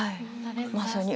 まさに。